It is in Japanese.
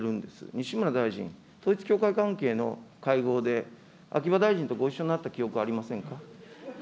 西村大臣、統一教会関係の会合で秋葉大臣とご一緒になった記憶ありませんか。